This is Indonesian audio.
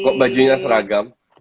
kok bajunya seragam